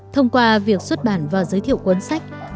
thông qua việc xuất bản và giới thiệu cuốn sách